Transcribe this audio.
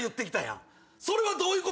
それはどういうことなん？